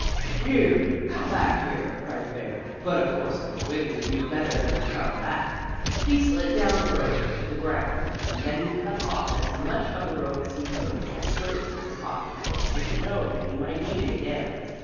"Here! Come back here!" cried the bear, but of course Uncle Wiggily knew better than to come back. He slid down the rope to the ground, and then he cut off as much of the rope as he could, and put it in his pocket, for he didn't know when he might need it again.